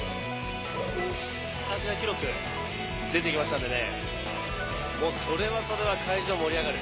アジア記録出てきましたんでね、それはそれは会場、盛り上がる。